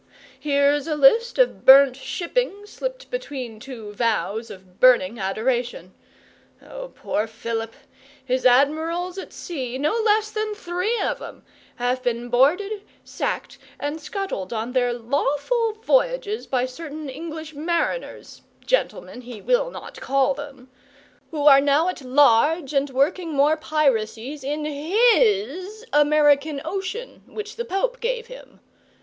Here's a list of burnt shipping slipped between two vows of burning adoration. Oh, poor Philip! His admirals at sea no less than three of 'em have been boarded, sacked, and scuttled on their lawful voyages by certain English mariners (gentlemen, he will not call them), who are now at large and working more piracies in his American ocean, which the Pope gave him.